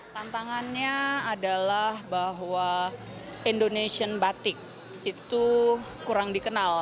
tantangannya adalah bahwa indonesian batik itu kurang dikenal